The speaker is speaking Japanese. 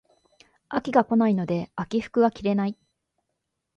秋が来ないので秋服が着れない